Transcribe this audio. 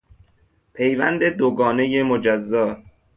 پیوند دو گانهی مجزا